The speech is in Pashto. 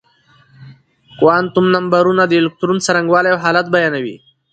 کوانتم نمبرونه د الکترون څرنګوالی او حالت بيانوي.